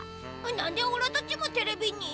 何でおらたちもテレビに？